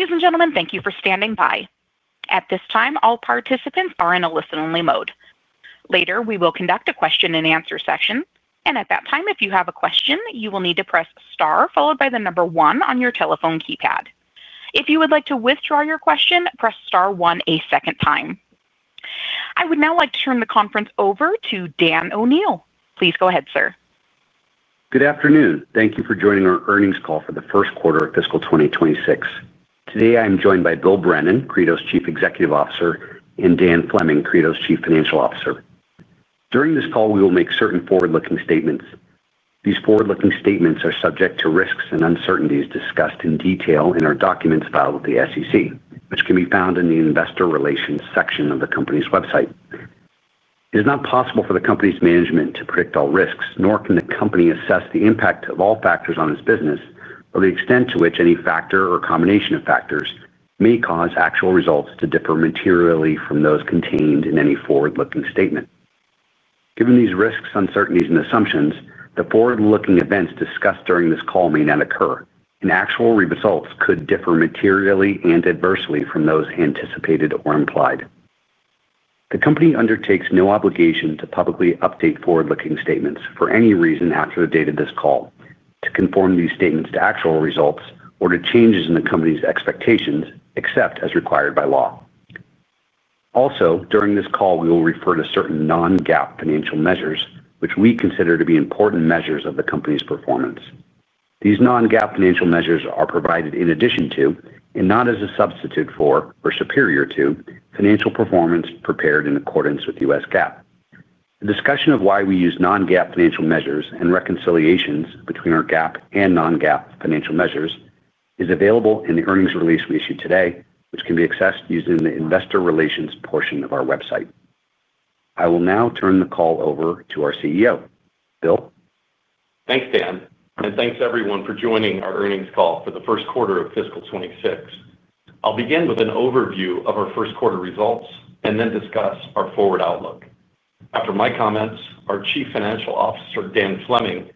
Ladies and gentlemen, thank you for standing by. At this time, all participants are in a listen only mode. Later, we will conduct a question and answer session. I would now like to turn the conference over to Dan O'Neill. Please go ahead, sir. Good afternoon. Thank you for joining our earnings call for the 2026. Today, I am joined by Bill Brennan, Credo's Chief Executive Officer and Dan Fleming, Credo's Chief Financial Officer. During this call, we will make certain forward looking statements. These forward looking statements are subject to risks and uncertainties discussed in detail documents filed with the SEC, which can be found in the Investor Relations section of the company's website. It is not possible for the company's management to predict all risks nor can the company assess the impact of all factors on its business or the extent to which any factor or combination of factors may cause actual results to differ materially from those contained in any forward looking statement. Given these risks, uncertainties and assumptions, the forward looking events discussed during this call may not occur, and actual results could differ materially and adversely from those anticipated or implied. The company undertakes no obligation to publicly update forward looking statements for any reason after the date of this call to conform these statements to actual results or to changes in the company's expectations, except as required by law. Also during this call, we will refer to certain non GAAP financial measures, which we consider to be important measures of the company's performance. These non GAAP financial measures are provided in addition to and not as a substitute for or superior to financial performance prepared in accordance with U. S. GAAP. A discussion of why we use non GAAP financial measures and reconciliations between our GAAP and non GAAP financial measures is available in the earnings release we issued today, which can be accessed using the Investor Relations portion of our website. I will now turn the call over to our CEO. Bill? Thanks, Dan, and thanks, everyone, for joining our earnings call for the 2026. I'll begin with an overview of our first quarter results and then discuss our forward outlook. After my comments, our Chief Financial Officer, Dan Fleming,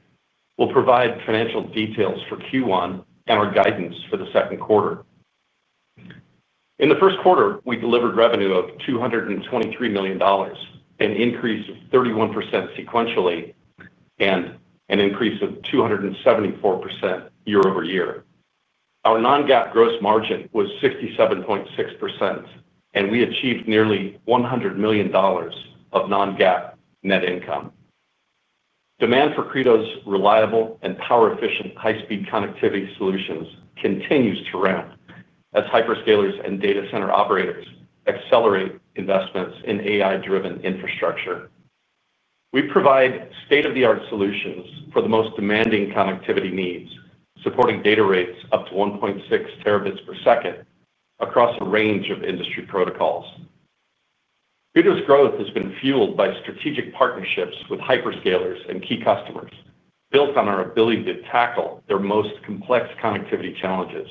will provide financial details for Q1 and our guidance for the second quarter. In the first quarter, we delivered revenue of $223,000,000 an increase of 31% sequentially and an increase of 274% year over year. Our non GAAP gross margin was 67.6% and we achieved nearly 100,000,000 of non GAAP net income. Demand for Credo's reliable and power efficient high speed connectivity solutions continues to ramp as hyperscalers and data center operators accelerate investments in AI driven infrastructure. We provide state of the art solutions for the most demanding connectivity needs, supporting data rates up to 1.6 terabits per second across a range of industry protocols. Vito's growth has been fueled by strategic partnerships with hyperscalers and key customers built on our ability to tackle their most complex connectivity challenges.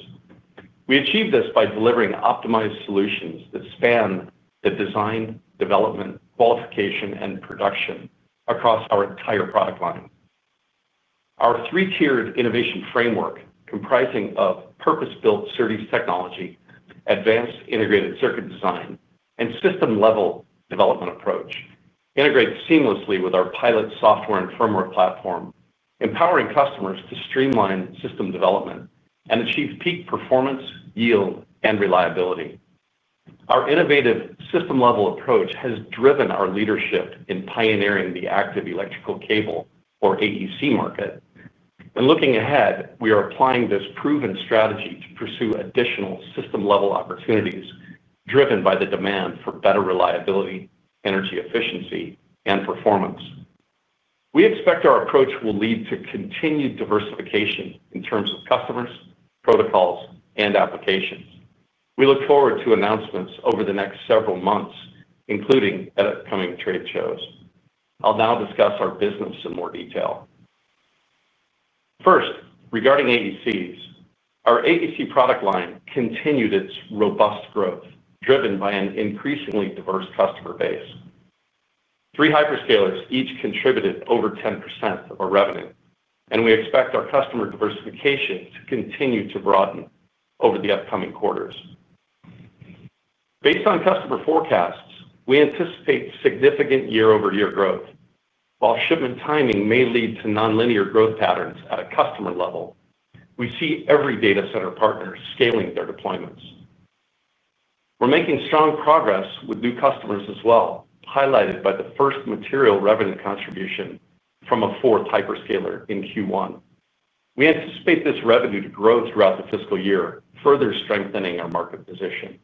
We achieved this by delivering optimized solutions that span the design, development, qualification and production across our entire product line. Our three tiered innovation framework comprising of purpose built SerDes technology, advanced integrated circuit design and system level development approach, integrates seamlessly with our pilot software and firmware platform, empowering customers to streamline system development and achieve peak performance, yield and reliability. Our innovative system level approach has driven our leadership in pioneering the active electrical cable or ATC market. And looking ahead, we are applying this proven strategy to pursue additional system level opportunities driven by the demand for better reliability, energy efficiency and performance. We expect our approach will lead to continued diversification in terms of customers, protocols and applications. We look forward to announcements over the next several months, including at upcoming trade shows. I'll now discuss our business in more detail. First, regarding ADCs. Our ADC product line continued its robust growth, driven by an increasingly diverse customer base. Three hyperscalers each contributed over 10% of our revenue, and we expect our customer diversification to continue to broaden over the upcoming quarters. Based on customer forecasts, we anticipate significant year over year growth. While shipment timing may lead to nonlinear growth patterns at a customer level, we see every data center partner scaling their deployments. We're making strong progress with new customers as well, highlighted by the first material revenue contribution from a fourth hyperscaler in Q1. We anticipate this revenue to grow throughout the fiscal year further strengthening our market position.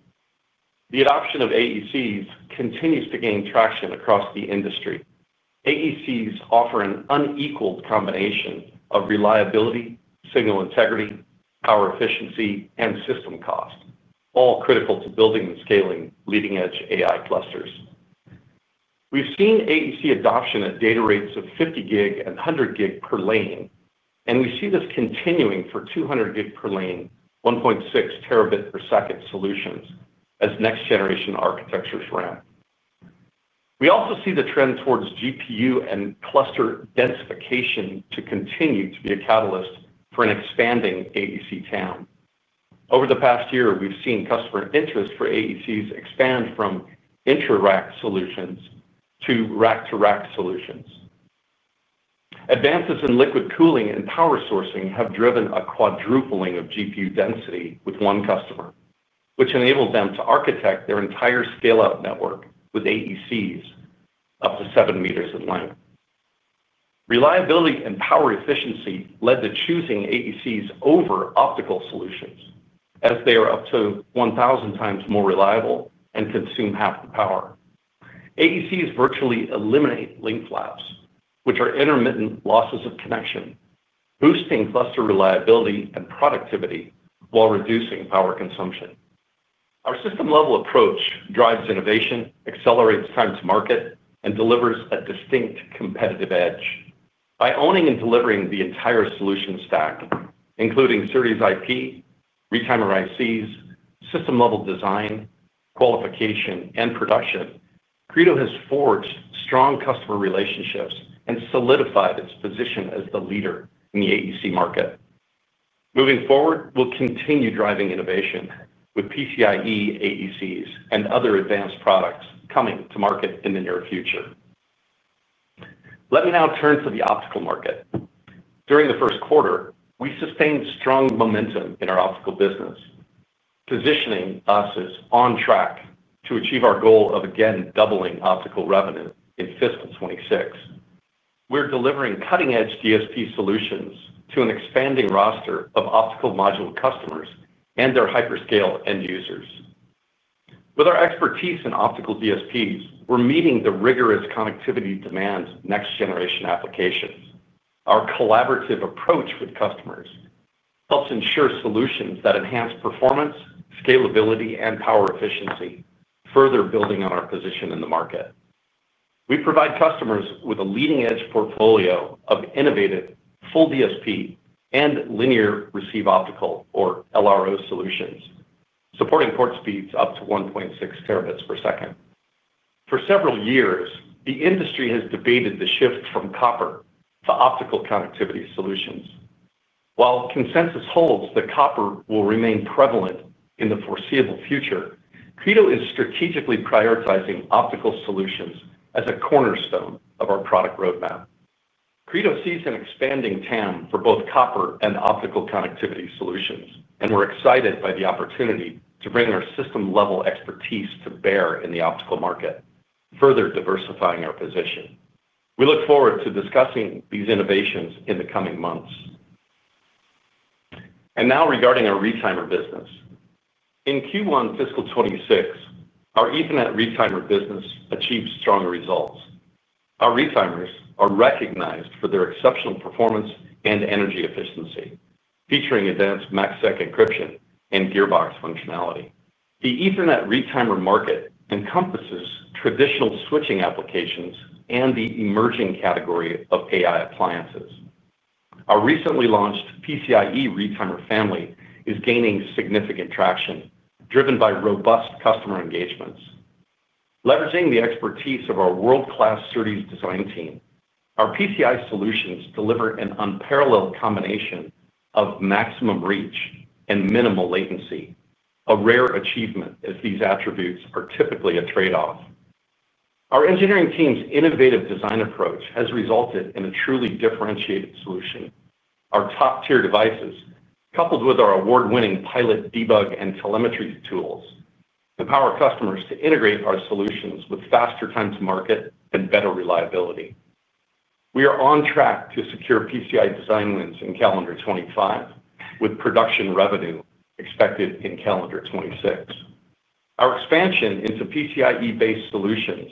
The adoption of AECs continues to gain traction across the industry. AECs offer an unequaled combination of reliability, signal integrity, power efficiency and system cost, all critical to building and scaling leading edge AI clusters. We've seen ADC adoption at data rates of 50 gig and 100 gig per lane, and we see this continuing for 200 gig per lane, 1.6 terabit per second solutions as next generation architectures ramp. We also see the trend towards GPU and cluster densification to continue to be a catalyst for an expanding AEC TAM. Over the past year, we've seen customer interest for AEC's expand from inter rack solutions to rack to rack solutions. Advances in liquid cooling and power sourcing have driven a quadrupling of GPU density with one customer, which enables them to architect their entire scale up network with AECs up to seven meters in length. Reliability and power efficiency led to choosing AECs over optical solutions as they are up to 1,000 times more reliable and consume half the power. ADCs virtually eliminate link flaps, which are intermittent losses of connection, boosting cluster reliability and productivity while reducing power consumption. Our system level approach drives innovation, accelerates time to market and delivers a distinct competitive edge. By owning and delivering the entire solution stack, including Series IP, retimer ICs, system level design, qualification and production, Credo has forged strong customer relationships and solidified its position as the leader in the AEC market. Moving forward, we'll continue driving innovation with PCIe AEC's and other advanced products coming to market in the near future. Let me now turn to the optical market. During the first quarter, we sustained strong momentum in our optical business, positioning us as on track to achieve our goal of again doubling optical revenue in fiscal twenty twenty six. We're delivering cutting edge DSP solutions to an expanding roster of optical module customers and their hyperscale end users. With our expertise in optical DSPs, we're meeting the rigorous connectivity demands next generation applications. Our collaborative approach with customers helps ensure solutions that enhance performance, scalability and power efficiency, further building on our position in the market. We provide customers with a leading edge portfolio of innovative full DSP and linear receive optical or LRO solutions, supporting port speeds up to 1.6 terabits per second. For several years, the industry has debated the shift from copper to optical connectivity solutions. While consensus holds that copper will remain prevalent in the foreseeable future, Credo is strategically prioritizing optical solutions as a cornerstone of our product roadmap. Credo sees an expanding TAM for both copper and optical connectivity solutions, and we're excited by the opportunity to bring our system level expertise to bear in the optical market, further diversifying our position. We look forward to discussing these innovations in the coming months. And now regarding our retimer business. In Q1 fiscal twenty twenty six, our Ethernet retimer business achieved strong results. Our retimers are recognized for their exceptional performance and energy efficiency, featuring advanced MACsec encryption and gearbox functionality. The Ethernet retimer market encompasses traditional switching applications and the emerging category of AI appliances. Our recently launched PCIe retimer family is gaining significant traction driven by robust customer engagements. Leveraging the expertise of our world class Cerdys design team, our PCI solutions deliver an unparalleled combination of maximum reach and minimal latency, a rare achievement as these attributes are typically a trade off. Our engineering team's innovative design approach has resulted in a truly differentiated solution. Our top tier devices, coupled with our award winning pilot debug and telemetry tools empower customers to integrate our solutions with faster time to market and better reliability. We are on track to secure PCI design wins in calendar twenty twenty five with production revenue expected in calendar twenty twenty six. Our expansion into PCIe based solutions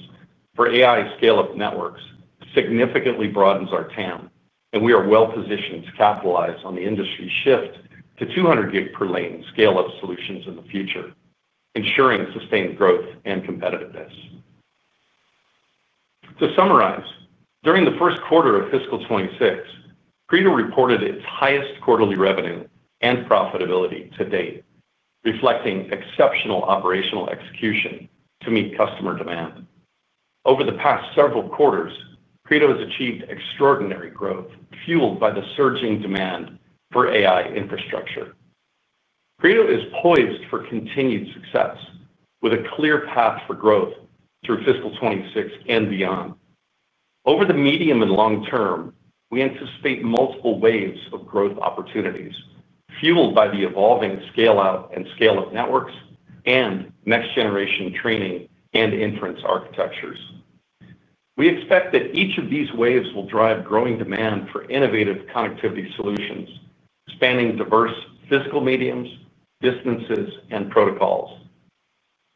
for AI scale up networks significantly broadens our TAM, and we are well positioned to capitalize on the industry shift to 200 gig per lane scale up solutions in the future, ensuring sustained growth and competitiveness. To summarize, during the 2026, reported its highest quarterly revenue and profitability to date, reflecting exceptional operational execution to meet customer demand. Over the past several quarters, Credo has achieved extraordinary growth fueled by the surging demand for AI infrastructure. Credo is poised for continued success with a clear path for growth through fiscal twenty twenty six and beyond. Over the medium and long term, we anticipate multiple waves of growth opportunities fueled by the evolving scale out and scale of networks and next generation training and inference architectures. We expect that each of these waves will drive growing demand for innovative connectivity solutions, spanning diverse physical mediums, distances and protocols.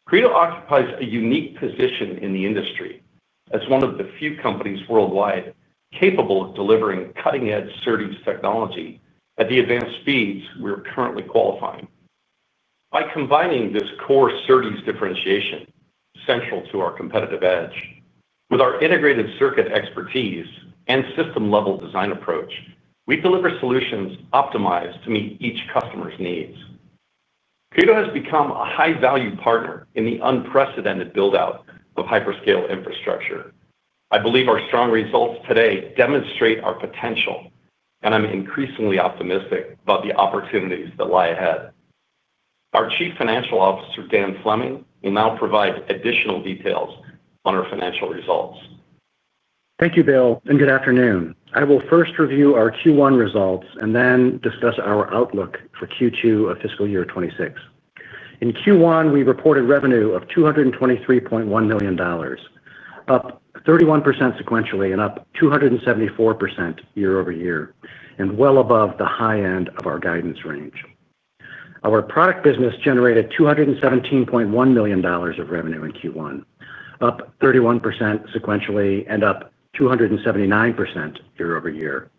Credo occupies a unique position in the industry as one of the few companies worldwide capable of delivering cutting edge SerDes technology at the advanced speeds we are currently qualifying. By combining this core SerDes differentiation, central to our competitive edge, With our integrated circuit expertise and system level design approach, we deliver solutions optimized to meet each customer's needs. CUTO has become a high value partner in the unprecedented build out of hyperscale infrastructure. I believe our strong results today demonstrate our potential, and I'm increasingly optimistic about the opportunities that lie ahead. Our Chief Financial Officer, Dan Fleming, will now provide additional details on our financial results. Thank you, Bill, and good afternoon. I will first review our Q1 results and then discuss our outlook for Q2 of fiscal year twenty twenty six. In Q1, we reported revenue of $223,100,000 up 31 sequentially and up 274% year over year and well above the high end of our guidance range. Our product business generated $217,100,000 of revenue in Q1, up 31% sequentially and up 279% year over year.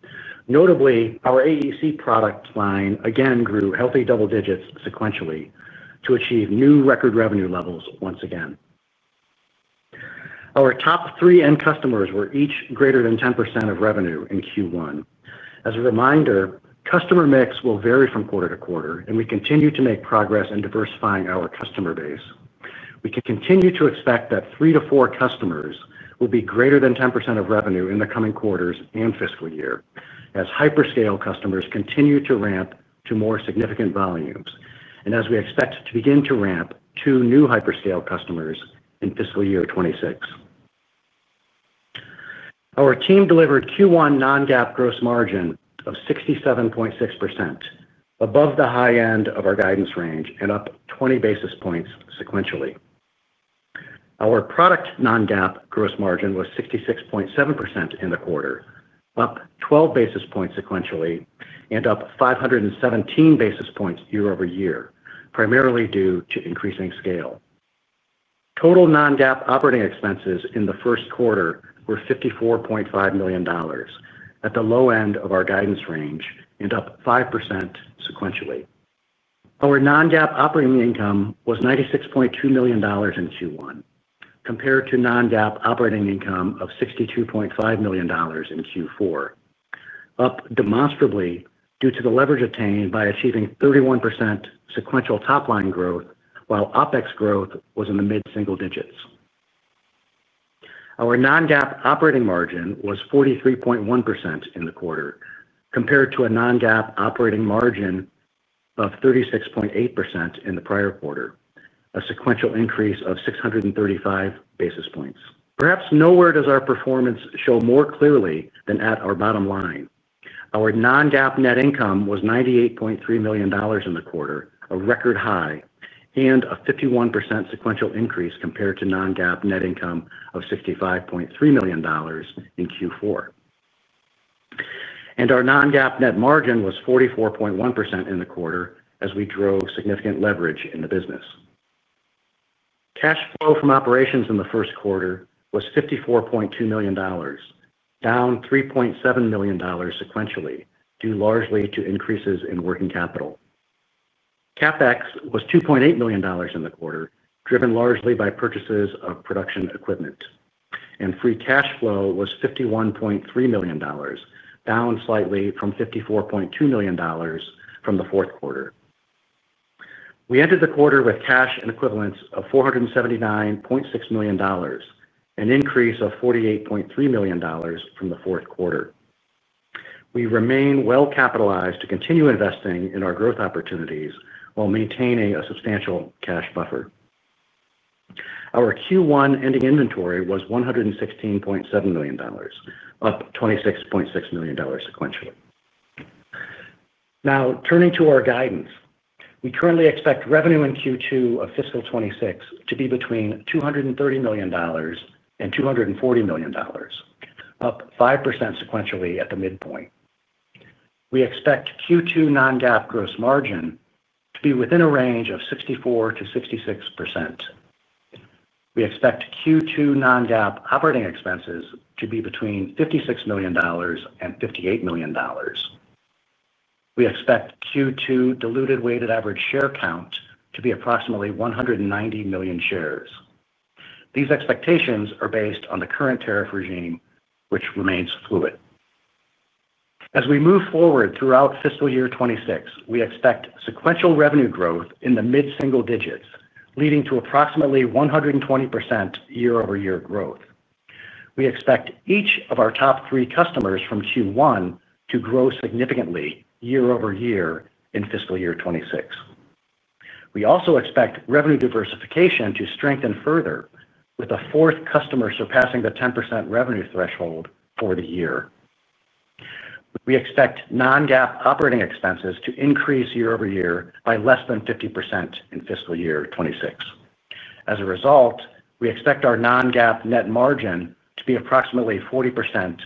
Notably, our AEC product line again grew healthy double digits sequentially to achieve new record revenue levels once again. Our top three end customers were each greater than 10% of revenue in Q1. As a reminder, customer mix will vary from quarter to quarter, and we continue to make progress in diversifying our customer base. We continue to expect that three to four customers will be greater than 10% of revenue in the coming quarters and fiscal year as hyperscale customers continue to ramp to more significant volumes and as we expect to begin to ramp two new hyperscale customers in fiscal year twenty twenty six. Our team delivered Q1 non GAAP gross margin of 67.6%, above the high end of our guidance range and up 20 basis points sequentially. Our product non GAAP gross margin was 66.7% in the quarter, up 12 basis points sequentially and up five seventeen basis points year over year, primarily due to increasing scale. Total non GAAP operating expenses in the first quarter were $54,500,000 at the low end of our guidance range and up 5% sequentially. Our non GAAP operating income was $96,200,000 in Q1 compared to non GAAP operating income of $62,500,000 in Q4, up demonstrably due to the leverage attained by achieving 31% sequential top line growth, while OpEx growth was in the mid single digits. Our non GAAP operating margin was 43.1% in the quarter compared to a non GAAP operating margin of 36.8% in the prior quarter, a sequential increase of six thirty five basis points. Perhaps nowhere does our performance show more clearly than at our bottom line. Our non GAAP net income was $98,300,000 in the quarter, a record high and a 51% sequential increase compared to non GAAP net income of $65,300,000 in Q4. And our non GAAP net margin was 44.1% in the quarter as we drove significant leverage in the business. Cash flow from operations in the first quarter was $54,200,000 down $3,700,000 sequentially due largely to increases in working capital. CapEx was $2,800,000 in the quarter, driven largely by purchases of production equipment. And free cash flow was $51,300,000 down slightly from $54,200,000 from the fourth quarter. We ended the quarter with cash and equivalents of $479,600,000 an increase of $48,300,000 from the fourth quarter. We remain well capitalized to continue investing in our growth opportunities while maintaining a substantial cash buffer. Our Q1 ending inventory was 116,700,000 up $26,600,000 sequentially. Now turning to our guidance. We currently expect revenue in 2026 to be between $230,000,000 and $240,000,000 up 5% sequentially at the midpoint. We expect Q2 non GAAP gross margin to be within a range of 64% to 66%. We expect Q2 non GAAP operating expenses to be between $56,000,000 and $58,000,000 We expect Q2 diluted weighted average share count to be approximately 190,000,000 shares. These expectations are based on the current tariff regime, which remains fluid. As we move forward throughout fiscal year twenty twenty six, we expect sequential revenue growth in the mid single digits, leading to approximately 120% year over year growth. We expect each of our top three customers from Q1 to grow significantly year over year in fiscal year twenty twenty six. We also expect revenue diversification to strengthen further with the fourth customer surpassing the 10% revenue threshold for the year. We expect non GAAP operating expenses to increase year over year by less than 50% in fiscal year twenty twenty six. As a result, we expect our non GAAP net margin to be approximately 40%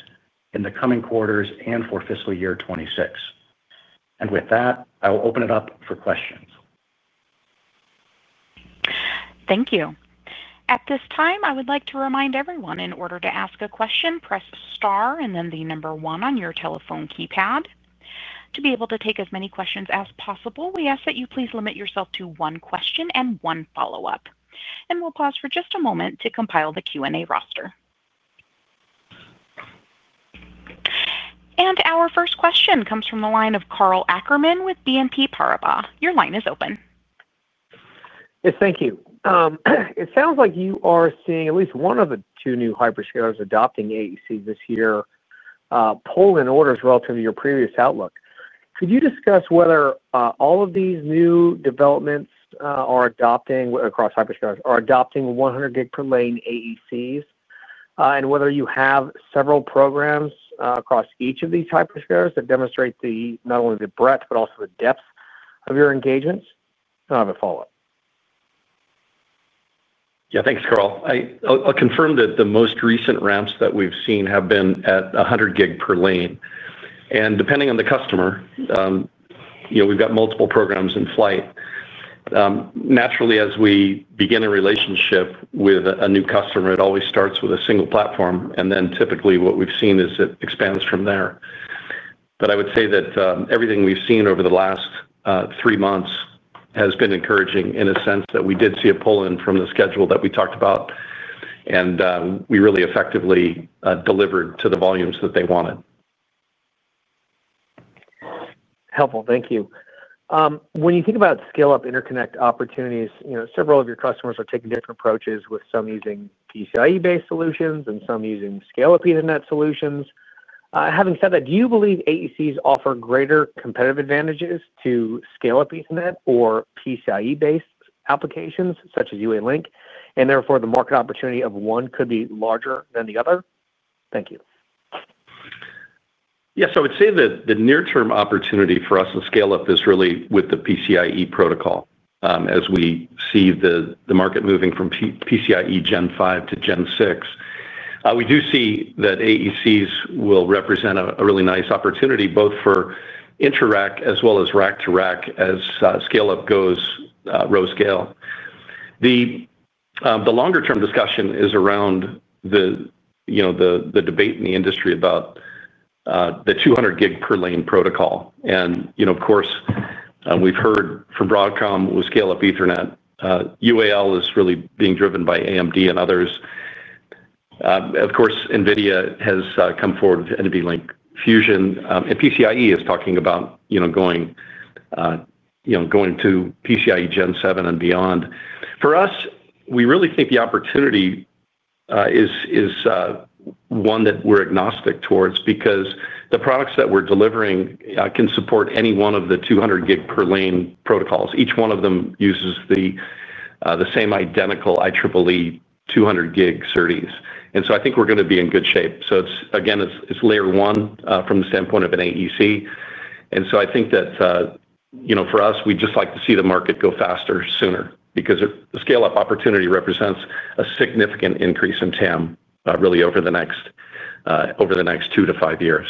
in the coming quarters and for fiscal year twenty twenty six. And with that, I will open it up for questions. Thank you. And our first question comes from the line of Karl Ackerman with BNP Paribas. Your line is open. Yes, thank you. It sounds like you are seeing at least one of the two new hyperscalers adopting AEC this year, pull in orders relative to your previous outlook. Could you discuss whether all of these new developments are adopting across hyperscalers are adopting 100 gig per lane AECs? And whether you have several programs across each of these hyperscalers that demonstrate the not only the breadth, but also the depth of your engagements? And I have a follow-up. Thanks, Karl. I'll confirm that the most recent ramps that we've seen have been at 100 gig per lane. And depending on the customer, we've got multiple programs in flight. Naturally as we begin a relationship with a new customer, it always starts with a single platform. And then typically what we've seen is it expands from there. But I would say that everything we've seen over the last three months has been encouraging in a sense that we did see a pull in from the schedule that we talked about and we really effectively delivered to the volumes that they wanted. Helpful. Thank you. When you think about scale up interconnect opportunities, several of your customers are taking different approaches with some using PCIe based solutions and some using scale up Ethernet solutions. Having said that, do you believe AECs offer greater competitive advantages to scale up Ethernet or PCIe based applications such as UA Link and therefore the market opportunity of one could be larger than the other? Thank you. Yes. So I would say opportunity for us to scale up is really with the PCIe protocol as we see the market moving from PCIe Gen five to Gen six. We do see that AECs will represent a really nice opportunity both for inter rack as well as rack to rack as scale up goes row scale. The longer term discussion is around the debate in the industry about the 200 gig per lane protocol. And of course, we've heard from Broadcom, we scale up Ethernet. UAL is really being driven by AMD and others. Of course, NVIDIA has come forward with NVLink Fusion. And PCIe is talking about going to PCIe Gen seven and beyond. For us, we really think the opportunity is one that we're agnostic towards because the products that we're delivering can support any one of the 200 gig per lane protocols. Each one of them uses the same identical IEEE 200 gig SerDes. And so I think we're going to be in good shape. So again, it's layer one from the standpoint of an AEC. And so I think that for us, we'd just like to see the market go faster sooner because the scale up opportunity represents a significant increase in TAM really over the next two to five years.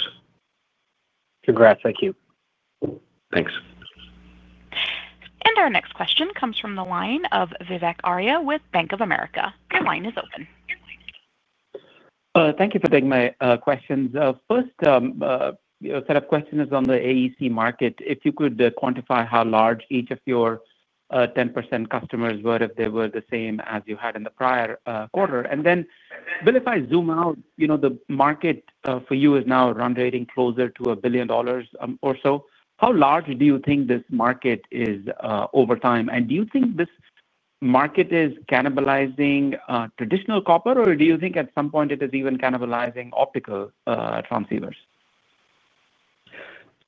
Congrats. Thank you. Thanks. And our next question comes from the line of Vivek Arya with Bank of America. Your line is open. Thank you for taking my questions. First, set of questions is on the AEC market. If you could quantify how large each of your 10% customers were if they were the same as you had in the prior quarter? And then, Bill, if I zoom out, the market for you is now run rating closer to $1,000,000,000 or so. How large do you think this market is over time? And do you think this market is cannibalizing traditional copper? Or do you think at some point, it is even cannibalizing optical transceivers?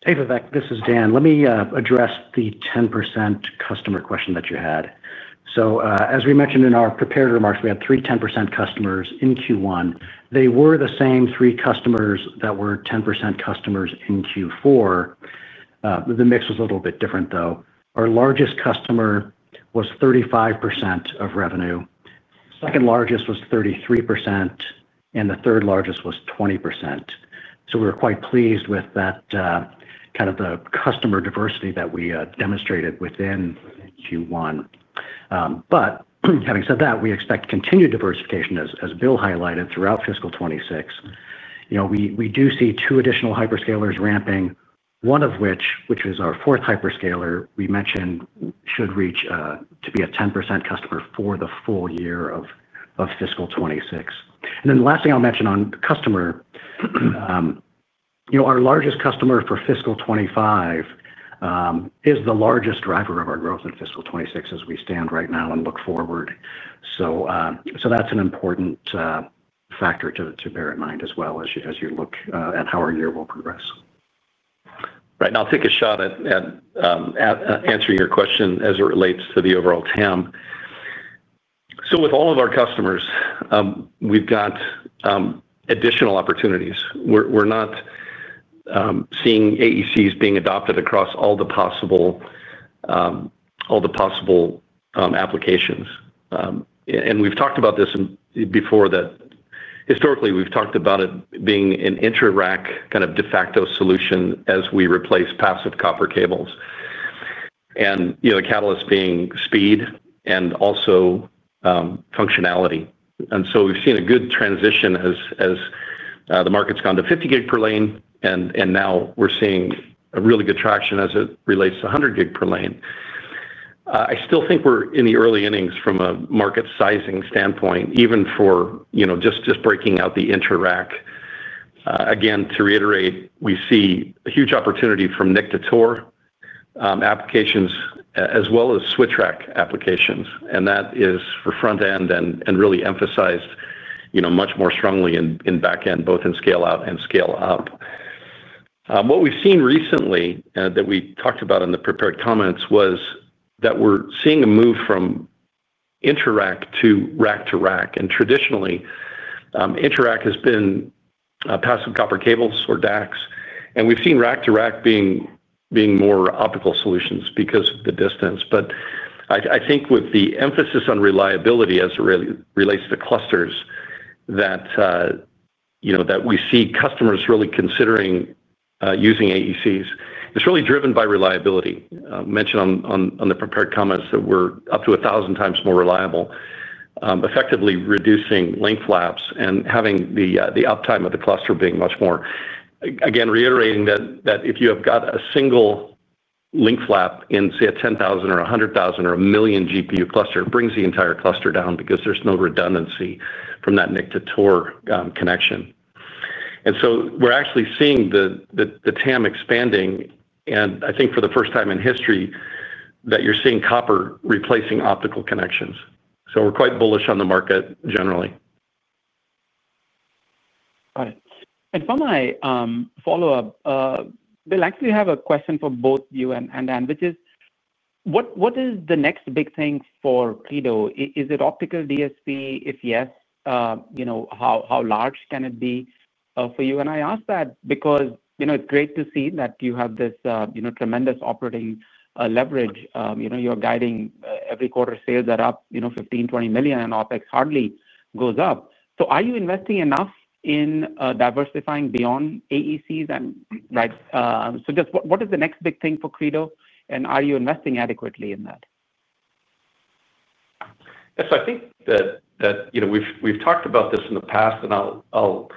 Vivek, this is Dan. Let me address the 10% customer question that you had. So as we mentioned in our prepared remarks, we had 310% customers in Q1. They were the same three customers that were 10% customers in Q4. The mix was a little bit different, though. Our largest customer was 35% of revenue, second largest was 33%, and the third largest was 20%. So we're quite pleased with that kind of the customer diversity that we demonstrated within Q1. But having said that, we expect continued diversification, Bill highlighted, throughout fiscal 'twenty six. We do see two additional hyperscalers ramping, one of which, which is our fourth hyperscaler, we mentioned should reach to be a 10% customer for the full year of fiscal 'twenty six. And then the last thing I'll mention on customer. Our largest customer for fiscal twenty twenty five is the largest driver of our growth in fiscal twenty twenty six as we stand right now and look forward. So that's an important factor to bear in mind as well as you look at how our year will progress. Right. And I'll take a shot at answering your question as it relates to the overall TAM. So with all of our customers, we've got additional opportunities. We're not seeing AECs being adopted across all possible applications. And we've talked about this before that historically we've talked about it being an inter rack kind of de facto solution as we replace passive copper cables and the catalyst being speed and also functionality. And so we've seen a good transition as the market's gone to 50 gig per lane and now we're seeing a really good traction as it relates to 100 gig per lane. I still think we're in the early innings from a market sizing standpoint, even for just breaking out the inter rack. Again, to reiterate, we see a huge opportunity from NIC to TOR applications as well as Switch Rack applications. And that is for front end and really emphasized much more strongly in back end both in scale out and scale up. What we've seen recently that we talked about in the prepared comments was that we're seeing a move from inter rack to rack to rack. And traditionally, inter rack has been passive copper cables or DACs. And we've seen rack to rack being more optical solutions because of the distance. But I think with the emphasis on reliability as it relates to clusters that we see customers really considering using AECs, it's really driven by reliability. Mentioned on the prepared comments that we're up to 1,000 times more reliable, effectively reducing link flaps and having the uptime of the cluster being much more. Again, reiterating that if you have got a single Link flap in say a 10,000 or 100,000 or 1,000,000 GPU cluster brings the entire cluster down because there's no redundancy from that NIC to TOR connection. And so we're actually seeing the TAM expanding. And I think for the first time in history that you're seeing copper replacing optical connections. So we're quite bullish on the market generally. Got it. And for my follow-up, Bill, actually have a question for both you and Dan, which is what is the next big thing for Credo? Is it optical DSP? If yes, how large can it be for you? And I ask that because it's great to see that you have this tremendous operating leverage. You're guiding every quarter sales are up 15,000,020 million dollars and OpEx hardly goes up. So are you investing enough in diversifying beyond AECs So just what is the next big thing for Credo? And are you investing adequately in that? Yes. So I think that we've talked about this in the past and I'll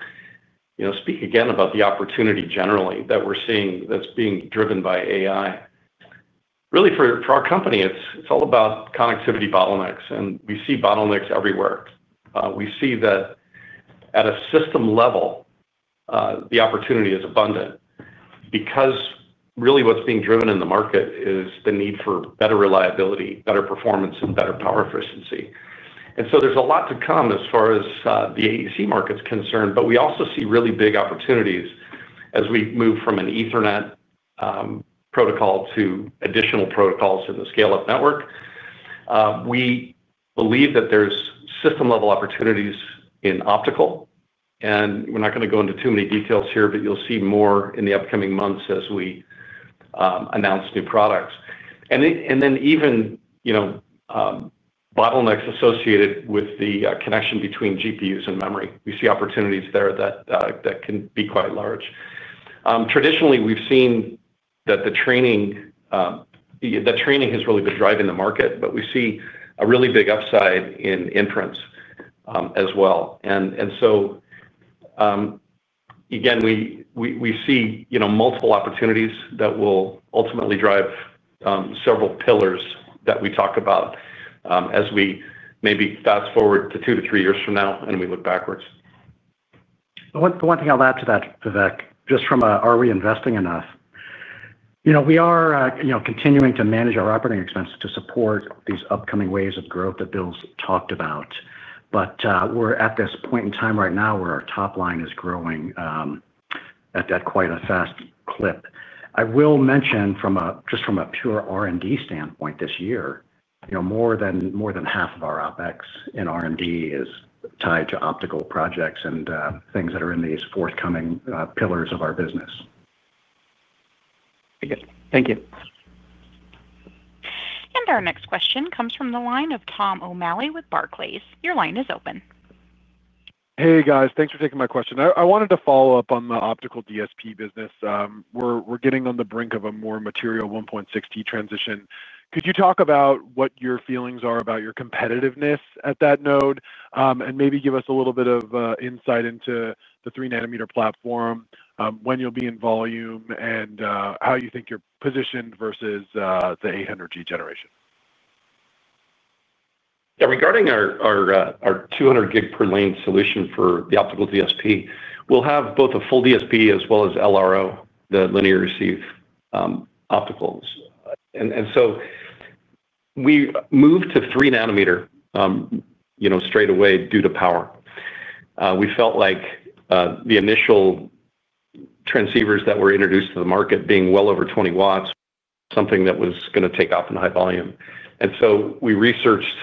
speak again about the opportunity generally that we're seeing that's being driven by AI. Really for our company, it's all about connectivity bottlenecks, and we see bottlenecks everywhere. We see that at a system level, the opportunity is abundant because really what's being driven in the market is the need for better reliability, better performance and better power efficiency. And so there's a lot to come as far as the AEC market is concerned, but we also see really big opportunities as we move from an Ethernet protocol to additional protocols in the scale up network. We believe that there's system level opportunities in optical. And we're not going to go into too many details here, but you'll see more in the upcoming months as we announce new products. And then even bottlenecks associated with the connection between GPUs and memory. We see opportunities there that can be quite large. Traditionally, we've seen that the training has really been driving the market, but we see a really big upside in inference as well. And so again, we see multiple opportunities that will ultimately drive several pillars that we talk about as we maybe fast forward to two to three years from now and we look backwards. The one thing I'll add to that Vivek, just from are we investing enough? We are continuing to manage our operating expense to support these upcoming waves of growth that Bill's talked about. But we're at this point in time right now where our top line is growing at quite a fast clip. I will mention from a just from a pure R and D standpoint this year, more than half of our OpEx in R and D is tied to optical projects and things that are in these forthcoming pillars of our business. Okay. Thank you. And our next question comes from the line of Tom O'Malley with Barclays. Your line is open. Hey, guys. Thanks for taking my question. I wanted to follow-up on the optical DSP business. We're getting on the brink of a more material 1.6 transition. Could you talk about what your feelings are about your competitiveness at that node? And maybe give us a little bit of insight into the three nanometer platform, when you'll be in volume and how you think you're positioned versus the 800 gs generation? Yes. Regarding our 200 gig per lane solution for the optical DSP, we'll have both a full DSP as well as LRO, the linear receive opticals. So we moved to three nanometer straight away due to power. We felt like the initial transceivers that were introduced to the market being well over 20 watts, something that was going to take off in high volume. And so we researched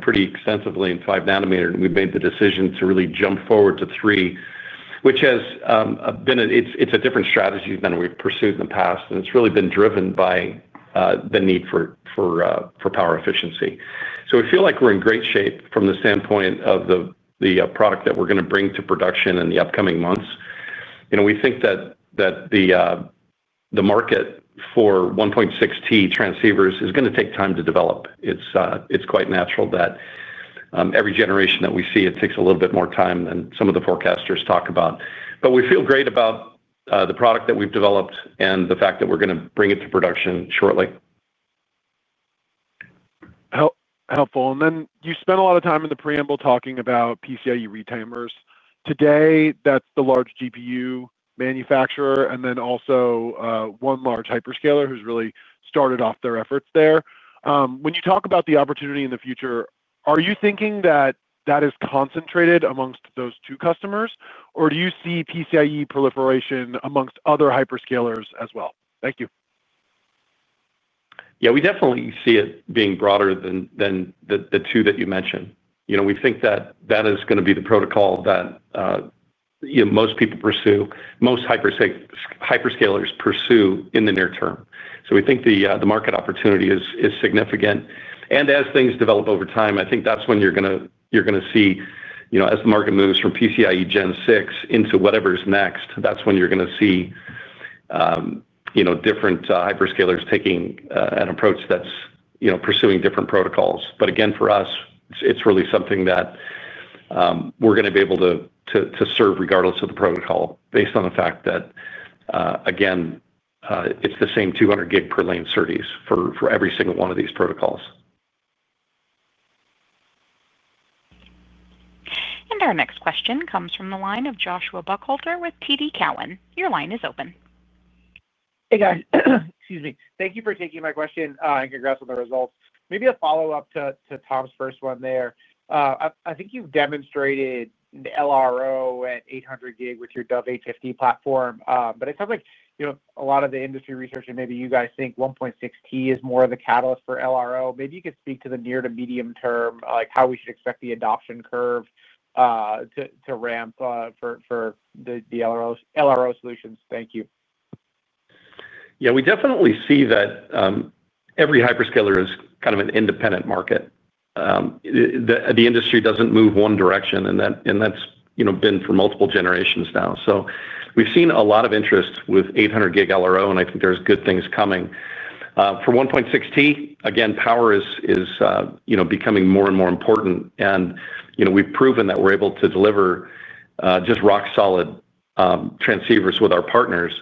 pretty extensively in five nanometer and we've made the decision to really jump forward to three, which has been it's a different strategy than we've pursued in the past and it's really been driven by the need for power efficiency. So we feel like we're in great shape from the standpoint of the product that we're going to bring to production in the upcoming months. We think that the market for 1.6T transceivers is going to take time to develop. It's quite natural that every generation that we see it takes a little bit more time than some of the forecasters talk about. But we feel great about the product that we've developed and the fact that we're going to bring it to production shortly. Helpful. And then you spent a lot of time in the preamble talking about PCIe retimers. Today, that's the large GPU manufacturer and then also one large hyperscaler who's really started off their efforts there. When you talk about the opportunity in the future, are you thinking that that is concentrated amongst those two customers? Or do you see PCIe proliferation amongst other hyperscalers as well? Thank you. Yes, we definitely see it being broader than the two that you mentioned. We think that that is going to be the protocol that most people pursue, most hyperscalers pursue in the near term. So we think the market opportunity is significant. And as things develop over time, I think that's when you're going to see as the market moves from PCIe Gen six into whatever's next, that's when you're going to see different hyperscalers taking an approach that's pursuing different protocols. But again, for us, it's really something that we're going to be able to serve regardless of the protocol based on the fact that, again, it's the same 200 gig per lane SerDes for every single one of these protocols. And our next question comes from the line of Joshua Buchholter with TD Cowen. Your line is open. Hey, guys. Thank you for taking my question and congrats on the results. Maybe a follow-up to Tom's first one there. I think you've demonstrated the LRO at 800 gig with your Dove eight fifty platform. But it sounds like a lot of the industry research and maybe you guys think 1.6T is more of a catalyst for LRO. Maybe you could speak to the near to medium term, like how we should expect the adoption curve to ramp for LRO solutions? Thank you. Yes. We definitely see that every hyperscaler is kind of an independent market. The industry doesn't move one direction and that's been for multiple generations now. So we've seen a lot of interest with 800 gig LRO and I think there's good things coming. For 1.6T, again power is becoming more and more important and we've proven that we're able to deliver just rock solid transceivers with our partners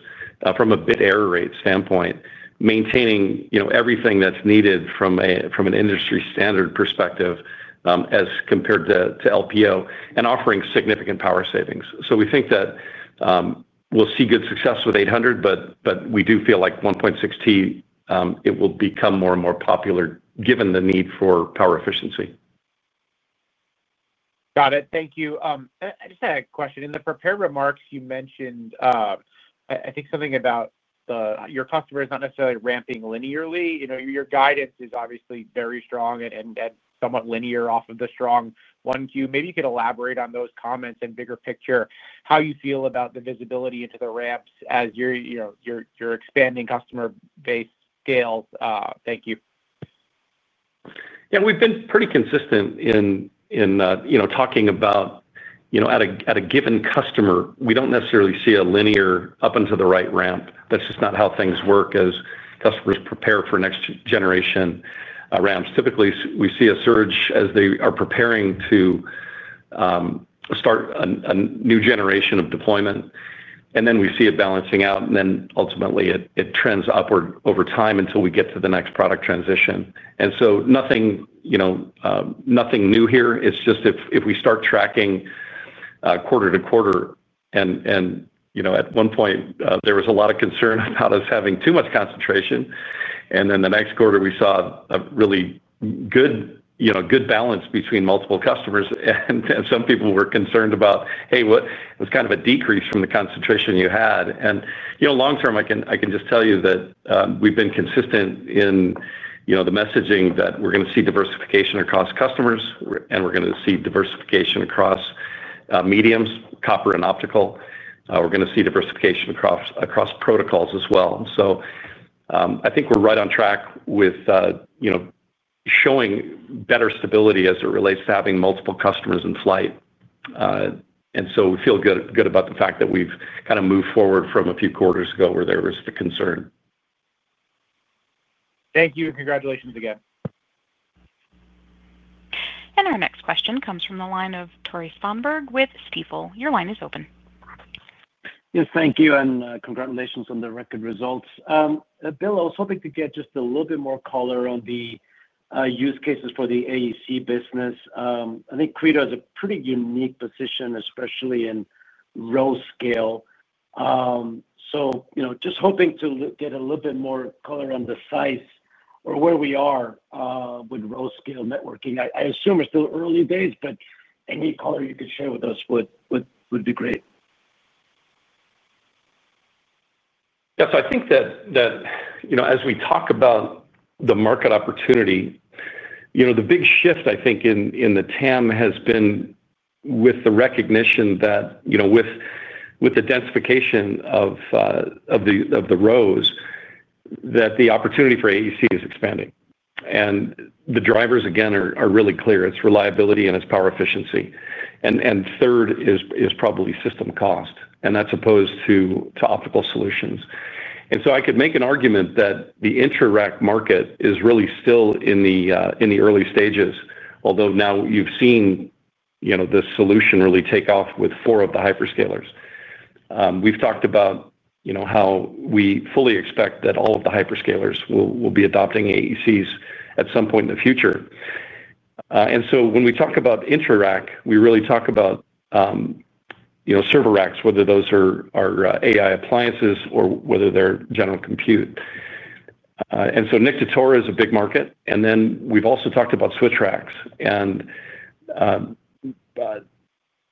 from a bit error rate standpoint, maintaining everything that's needed from an industry standard perspective as compared to LPO and offering significant power savings. So we think that we'll see good success with 800, but we do feel like 1.6T, it will become more and more popular given the need for power efficiency. Got it. Thank you. I just had a question. In the prepared remarks you mentioned, I think, something about your customers not necessarily ramping linearly. Your guidance is obviously very strong and somewhat linear off of the strong 1Q. Maybe you could elaborate on those comments and bigger picture, how you feel about the visibility into the ramps as you're expanding customer base scale? Thank you. Yes. We've been pretty consistent in talking about at a given customer, we don't necessarily see a linear up into the right ramp. That's just not how things work as customers prepare for next generation ramps. Typically, we see a surge as they are preparing to start a new generation of deployment and then we see it balancing out and then ultimately it trends upward over time until we get to the next product transition. And so nothing new here. It's just if we start tracking quarter to quarter and at one point there was a lot of concern about us having too much concentration. And then the next quarter we saw a really good balance between multiple customers and some people were concerned about, hey, what was kind of a decrease from the concentration you had. Long term, can just tell you that we've been consistent in the messaging that we're going to see diversification across customers and we're going to see diversification across mediums, copper and optical. We're going to see diversification across protocols as well. And so I think we're right on track with showing better stability as it relates to having multiple customers in flight. And so we feel good about the fact that we've kind of moved forward from a few quarters ago where there was the concern. Thank you and congratulations again. And our next question comes from the line of Tore Svanberg with Stifel. Your line is open. Yes, thank you and congratulations on the record results. Bill, I was hoping to get just a little bit more color on the use cases for the AEC business. I think Credo has a pretty unique position, position, especially especially in in row row scale. So just hoping to get a little bit more color on the size or where we are with row scale networking. I assume it's still early days, but any color you could share with us would be great. Yes. So I think that as we talk about the market opportunity, the big shift I think in the TAM has been with the recognition that with the densification of the rows that the opportunity for AUC is expanding. And the drivers again are really clear. It's reliability and it's power efficiency. And third is probably system cost and that's opposed to optical solutions. And so I could make an argument that the inter rack market is really still in the early stages. Although now you've the solution really take off with four of the hyperscalers. We've talked about how we fully expect that all of the hyperscalers will be adopting AECs at some point in the future. And so when we talk about inter rack, we really talk about server racks, whether those are AI appliances or whether they're general compute. And so Nick to Toro is a big market. And then we've also talked about switch racks.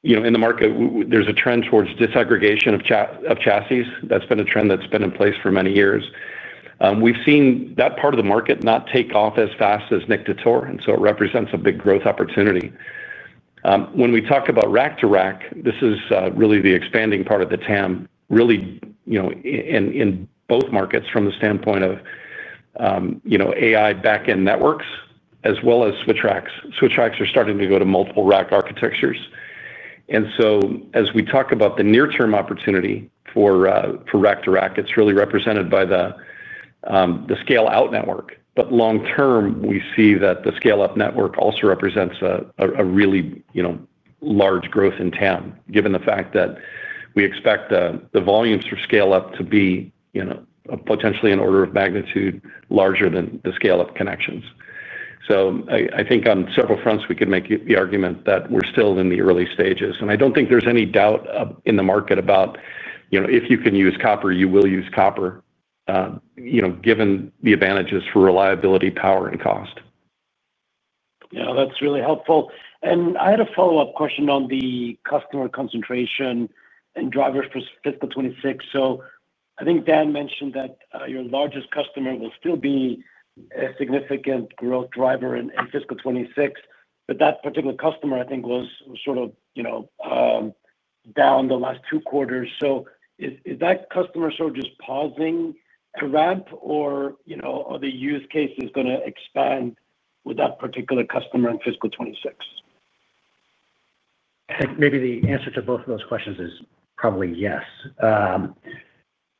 And in the market there's a trend towards desegregation of chassis. That's been a trend that's been in place for many years. We've seen that part of the market not take off as fast as Nick to Tor and so it represents a big growth opportunity. When we talk about rack to rack, this is really the expanding part of the TAM really in both markets from the standpoint of AI backend networks as well as switch tracks. Switch tracks are starting to go to multiple rack architectures. And so as we talk about the near term opportunity for rack to rack, it's really represented by the scale out network. But long term, we see that the scale up network also represents a really large growth in TAM given the fact that we expect the volumes for scale up to be potentially an order of magnitude larger than the scale up connections. So I think on several fronts we can make the argument that we're still in the early stages. And I don't think there's any doubt in the market about if you can use copper, you will use copper given the advantages for reliability, power and cost. Yes. That's really helpful. And I had a follow-up question on the customer concentration and drivers for fiscal twenty twenty six. So I think Dan mentioned that your largest customer will still be a significant growth driver in fiscal twenty twenty six. But that particular customer, I think, was sort of down the last two quarters. So is that customer sort of just pausing to ramp? Or are the use cases going to expand with that particular customer in fiscal 'twenty six? Maybe the answer to both of those questions is probably yes.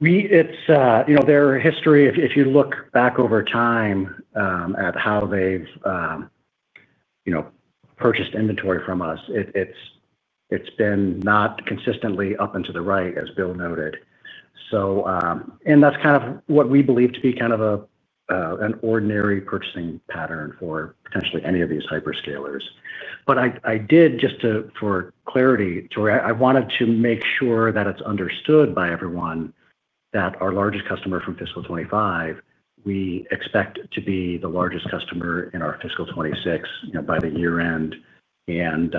We it's you know, their history, if if you look back over time at how they've, you know, purchased inventory from us, it it's it's been not consistently up into the right, as Bill noted. So and that's kind of what we believe to be kind of a an ordinary purchasing pattern for potentially any of these hyperscalers. But I I did just to for clarity, Troy, I wanted to make sure that it's understood by everyone that our largest customer from fiscal 'twenty five, we expect to be the largest customer in our fiscal 'twenty six by the year end and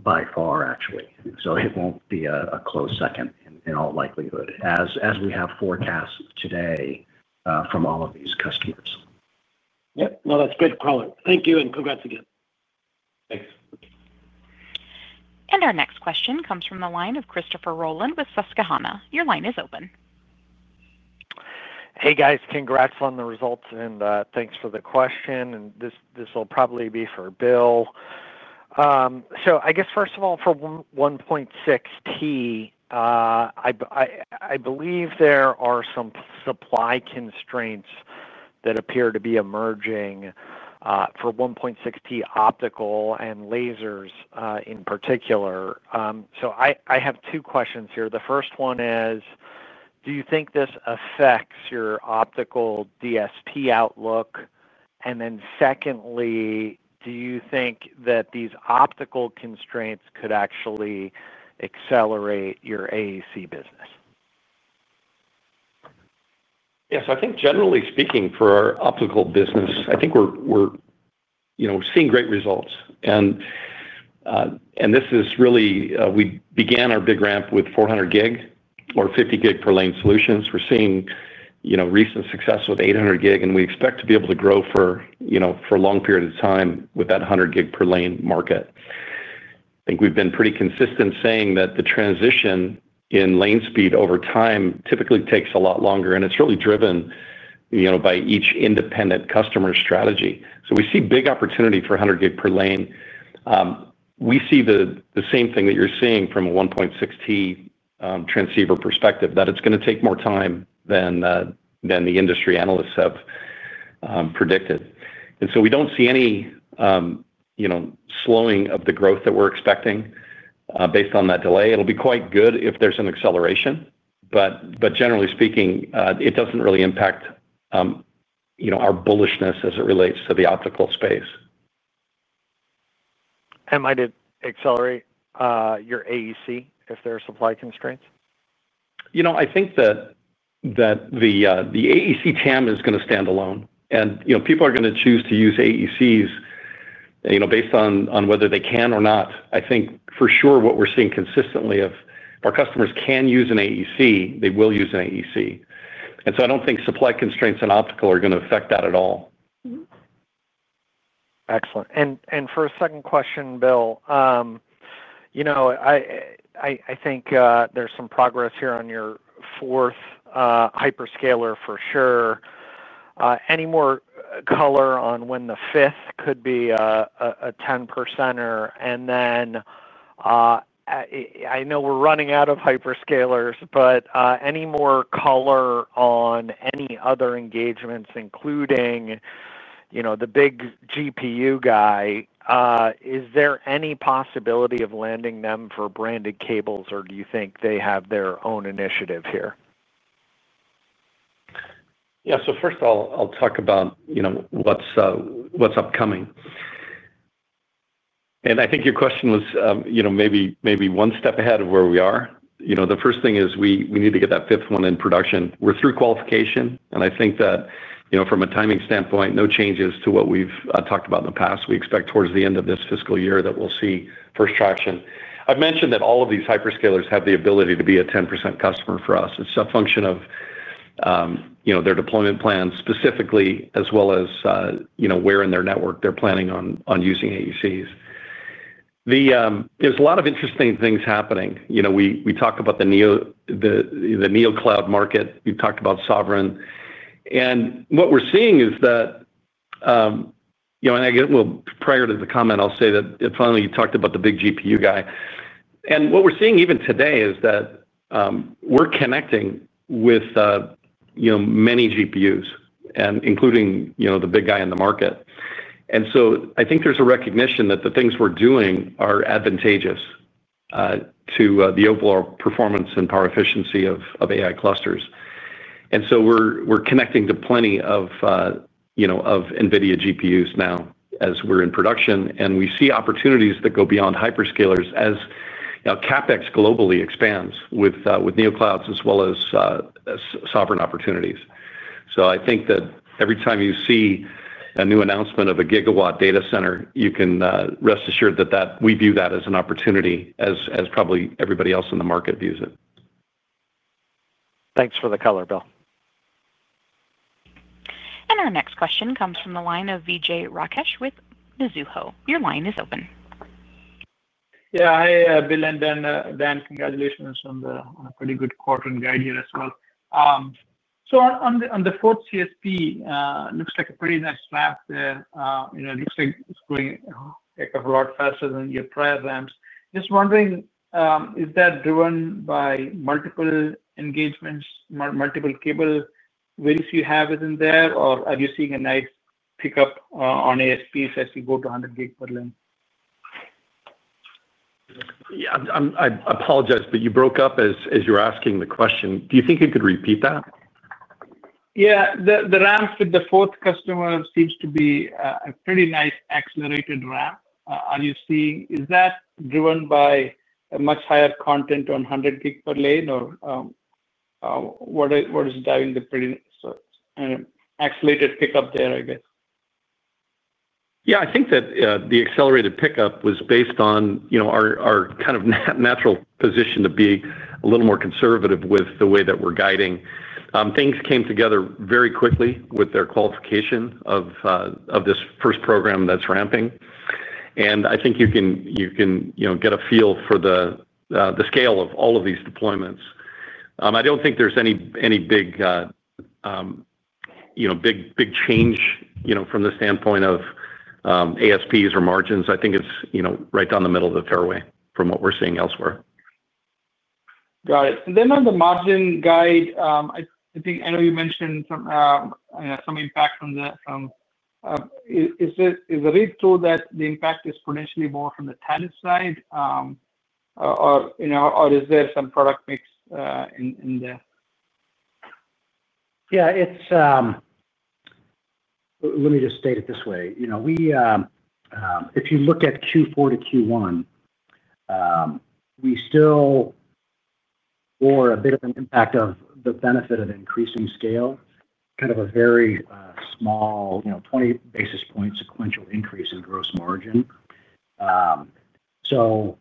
by far, actually. So it won't be a close second in all likelihood as we have forecast today from all of these customers. Yes. No, that's great color. Thank you and congrats again. Thanks. And our next question comes from the line of Christopher Rolland with Susquehanna. Your line is open. Hey guys, congrats on the results and thanks for the question. And this will probably be for Bill. So I guess first of all for 1.6T, I believe there are some supply constraints that appear to be emerging for 1.6T optical and lasers, in particular. So I have two questions here. The first one is, do you think this affects your optical DSP outlook? And then secondly, do you think that these optical constraints could actually accelerate your AEC business? Yes. I think generally speaking for our optical business, I think we're seeing great results. And this is really we began our big ramp with 400 gig or 50 gig per lane solutions. We're seeing recent success with 800 gig and we expect to be able to grow for a long period of time with that 100 gig per lane market. I think we've been pretty consistent saying that the transition in lane speed over time typically takes a lot longer and it's really driven by each independent customer strategy. So we see big opportunity for 100 gig per lane. We see the same thing that you're seeing from a 1.6T transceiver perspective that it's going to take more time than the industry analysts have predicted. And so we don't see any slowing of the growth that we're expecting based on that delay. It will be quite good if there's an acceleration. But generally speaking, it doesn't really impact our bullishness as it relates to the optical space. And might it accelerate your AEC if there are supply constraints? I think that AEC TAM is going to stand alone. And people are going to choose to use AECs based on whether they can or not. I think for sure what we're seeing consistently if our customers can use an AEC, they will use an AEC. And so I don't think supply constraints in optical are going to affect that at all. Excellent. And for a second question, Bill, I think there's some progress here on your fourth hyperscaler for sure. Any more color on when the fifth could be a 10 percenter? And then I know we're running out of hyperscalers, but any more color on any other engagements, including the big GPU guy? Is there any possibility of landing them for branded cables? Or do you think they have their own initiative here? Yes. So first of I'll talk about what's upcoming. And I think your question was maybe one step ahead of where we are. The first thing is we need to get that fifth one in production. We're through qualification and I think that from a timing standpoint no changes to what we've talked about in the past. We expect towards the end of this fiscal year that we'll see first traction. I've mentioned that all of these hyperscalers have the ability to be a 10% customer for us. It's a function of their deployment plans specifically as well as where in their network they're planning on using AUCs. There's a lot of interesting things happening. We talked about the neo cloud market. We've talked about sovereign. And what we're seeing is that and I guess, well, prior to the comment, I'll say that finally you talked about the big GPU guy. And what we're seeing even today is that we're connecting with many GPUs, including the big guy in the market. And so I think there's a recognition that the things we're doing are advantageous to the overall performance and power efficiency of AI clusters. And so we're connecting to plenty of NVIDIA GPUs now as we're in production and we see opportunities that go beyond hyperscalers as CapEx globally expands with NeoClouds as well as sovereign opportunities. So I think that every time you see a new announcement of a gigawatt data center, you can rest assured that we view that as an opportunity as probably everybody else in the market views it. Thanks for the color, Bill. And our next question comes from the line of Vijay Rakesh with Mizuho. Your line is open. Yes. Hi, Bill and Dan. Congratulations on the on a pretty good quarter and guide you as well. So on the on the fourth CSP, looks like a pretty nice map there. You know, it looks like it's going, like, a lot faster than your programs. Just wondering, is that driven by multiple engagements, multiple cable wins you have within there, or are you seeing a nice pickup, on ASPs as you go to 100 gig per length? Yeah. I'm I'm I apologize, but you broke up as as you're asking the question. Do you think you could repeat that? Yeah. The the ramps with the fourth customer seems to be a pretty nice accelerated ramp. Are you seeing is that driven by a much higher content on 100 gig per lane? Or what what is driving the pretty sort of accelerated pickup there, I guess? Yes. I think that the accelerated pickup was based on our kind of natural position to be a little more conservative with the way that we're guiding. Things came together very quickly with their qualification of this first program that's ramping. And I think you can get a feel for the scale of all of these deployments. I don't think there's any big change from the standpoint of ASPs or margins. I think it's right down the middle of the fairway from what we're seeing elsewhere. Got it. And then on the margin guide, I think, I I know you mentioned some, some impact from the from is it is it true that the impact is potentially more from the tenant side? Or, you know, or is there some product mix, in in there? Yeah. It's let me just state it this way. You know, we if you look at q four to q one, we still for a bit of an impact of the benefit of increasing scale, kind of a very small 20 basis point sequential increase in gross margin. So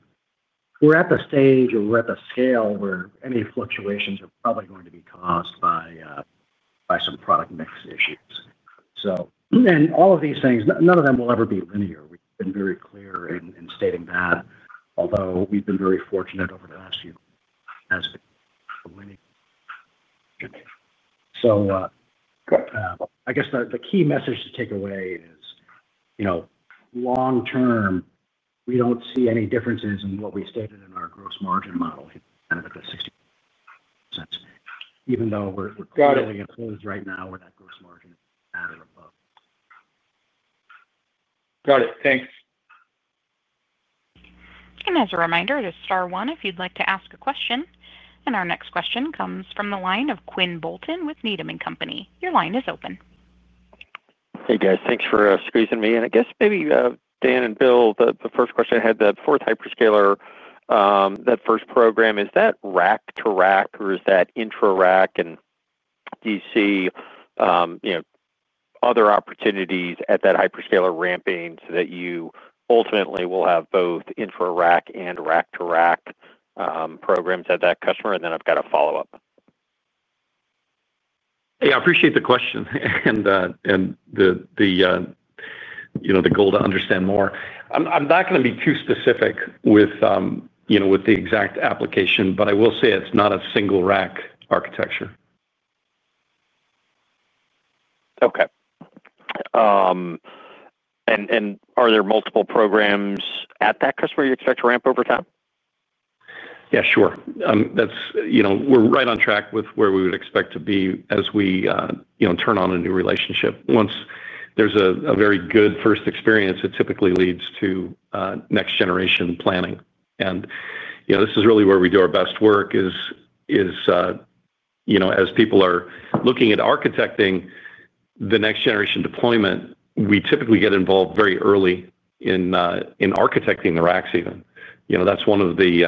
we're at the stage or we're at the scale where any fluctuations are probably going to be caused by some product mix issues. So and all of these things, none of them will ever be linear. We've been very clear in stating that, although we've been very fortunate over the last few years as to so I guess the key message to take away is long term, we don't see any differences in what we stated in our gross margin model at the 60% range, even though we're fairly exposed right now with that gross margin at or above. Got it. Thanks. And our next question comes from the line of Quinn Bolton with Needham and Company. Your line is open. Hey guys. Thanks for squeezing me in. I guess maybe Dan and Bill, the first question I had, the fourth hyperscaler, that first program, is that rack to rack or is that intra rack? And do you see other opportunities at that hyperscaler ramping so that you ultimately will have both infra rack and rack to rack programs at that customer? And then I've got a follow-up. I appreciate the question and the goal to understand more. I'm not going to be too specific with the exact application, but I will say it's not a single rack architecture. Okay. And are there multiple programs at that customer you expect to ramp over time? Yes, sure. That's we're right on track with where we would expect to be as we turn on a new relationship. Once there's a very good first experience, it typically leads to next generation planning. And this is really where we do our best work is as people are looking at architecting the next generation deployment, we typically get involved very early in architecting the racks even. That's one of the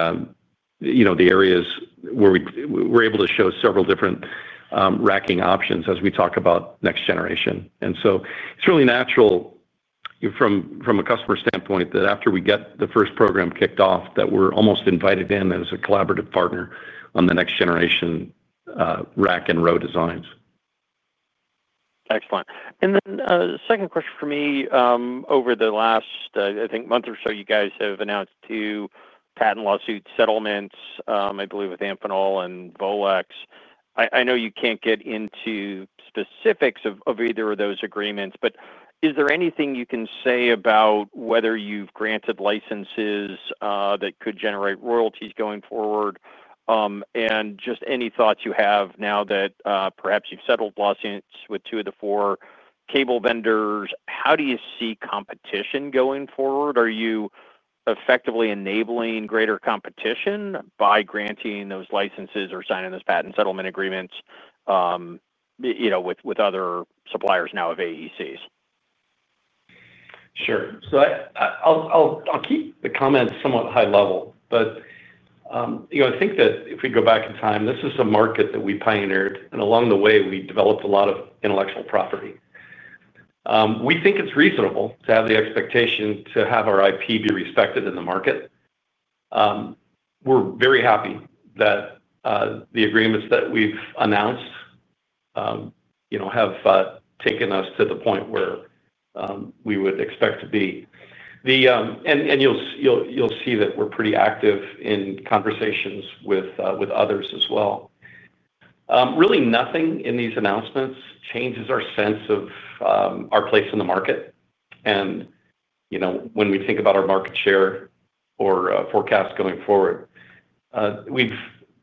areas where we're able to show several different racking options as we talk about next generation. And so it's really natural from a customer standpoint that after we get the first program kicked off that we're almost invited in as a collaborative partner on the next generation rack and row designs. Excellent. And then second question for me. Over the last, I think, month or so you guys have announced two patent lawsuit settlements, I believe, Amphenol and Volex. I know you can't get into specifics of either of those agreements. But is there anything you can say about whether you've granted licenses that could generate royalties going forward? And just any thoughts you have now that perhaps you've settled lawsuits with two of the four cable vendors. How do you see competition going forward? Are you effectively enabling greater competition by granting those licenses or signing those patent settlement agreements with other suppliers now of AECs? Sure. So I'll keep the comments somewhat high level. But I think that if we go back in time, this is a market that we pioneered. And along the way, we developed a lot of intellectual property. We think it's reasonable to have the expectation to have our IP be respected in the market. We're very happy that the agreements that we've announced have taken us to the point where we would expect to be. The and you'll see that we're pretty active in conversations with others as well. Really nothing in these announcements changes our sense of our place in the market. And when we think about our market share or forecast going forward. We've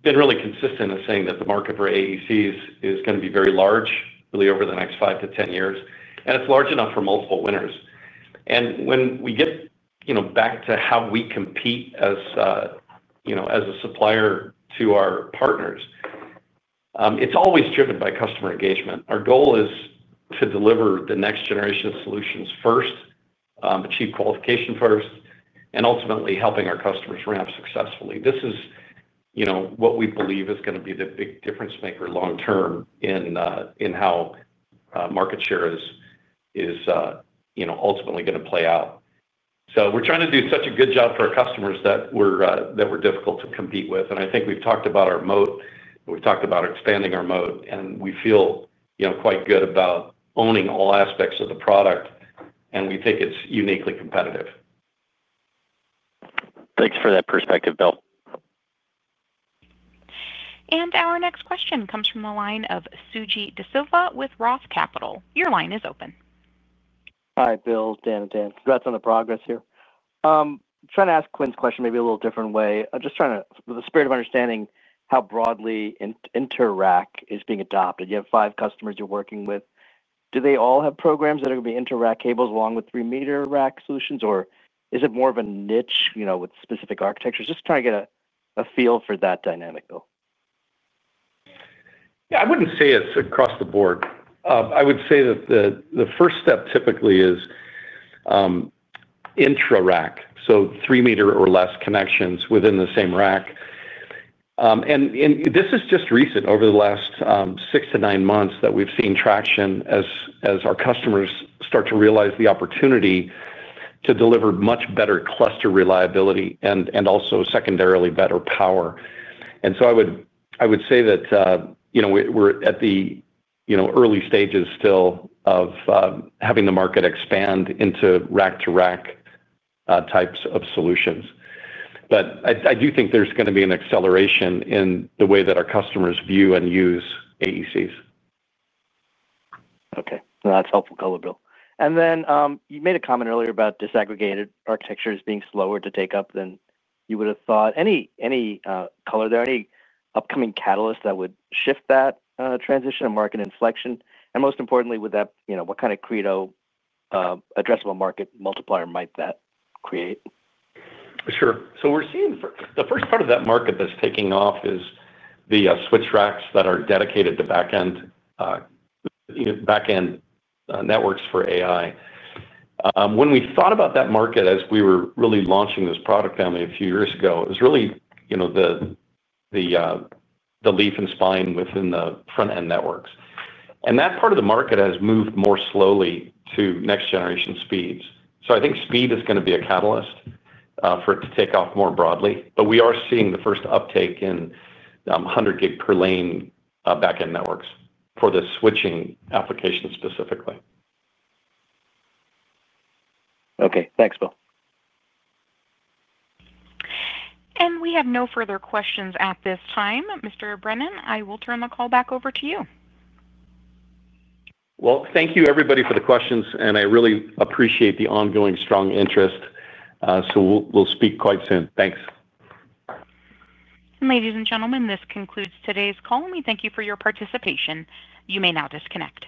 been really consistent in saying that the market for AECs is going to be very large really over the next five to ten years and it's large enough for multiple winners. And when we get back to how we compete as a supplier to our partners, it's always driven by customer engagement. Our goal is to deliver the next generation solutions first, achieve qualification first and ultimately helping our customers ramp successfully. This is what we believe is going to be the big difference maker long term in how market share is ultimately going to play out. So we're trying to do such a good job for our customers that were difficult to compete with. And I think we've talked about our moat. We've talked about expanding our moat. And we feel quite good about owning all aspects of the product. And we think it's uniquely competitive. Thanks for that perspective, Bill. And our next question comes from the line of Suji Desilva with ROTH Capital. Your line is open. Hi, Bill, Dan and Dan. Congrats on the progress here. I'm trying to ask Quinn's question maybe a little different way. I'm just trying to with the spirit of understanding how broadly InterRack is being adopted. You have five customers you're working with. Do they all have programs that are going be InterRack cables along with three meter rack solutions? Or is it more of a niche with specific architectures? Just trying to get a feel for that dynamic though. Yes. I wouldn't say it's across the board. I would say that the first step typically is intra rack, so three meter or less connections within the same rack. And this is just recent over the last six to nine months that we've seen traction as our customers start to realize the opportunity to deliver much better cluster reliability and also secondarily better power. And so I would say that we're at the early stages still of having the market expand into rack to rack types of solutions. But I do think there's going to be an acceleration in the way that our customers view and use AECs. Okay. That's helpful color, Bill. And then you made a comment earlier about disaggregated architectures being slower to take up than you would have thought. Any color there? Any upcoming catalysts that would shift that transition and market inflection? And most importantly, would that what kind of Credo addressable market multiplier might that create? Sure. So we're seeing the first part of that market that's taking off is the switch racks that are dedicated to back end networks for AI. When we thought about that market as we were really launching this product family a few years ago, was really the leaf and spine within the front end networks. And that part of the market has moved more slowly to next generation speeds. So I think speed is going to be a catalyst for it to take off more broadly. But we are seeing the first uptake in 100 gig per lane back end networks for the switching applications specifically. Okay. Thanks, Bill. And we have no further questions at this time. Brennan, I will turn the call back over to you. Well, thank you everybody for the questions and I really appreciate the ongoing strong interest. So we'll speak quite soon. Thanks. Ladies and gentlemen, this concludes today's call. We thank you for your participation. You may now disconnect.